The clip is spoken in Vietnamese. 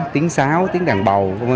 tiếng sáo tiếng đàn bầu v v